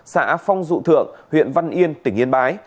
xã phong dụ thượng huyện văn yên tỉnh yên bái